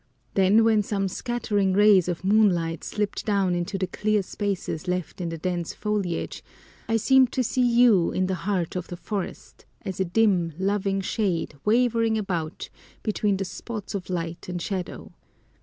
Then when some scattering rays of moonlight slipped down into the clear spaces left in the dense foliage, I seemed to see you in the heart of the forest as a dim, loving shade wavering about between the spots of light and shadow.